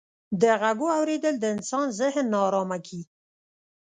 د ږغو اورېدل د انسان ذهن ناآرامه کيي.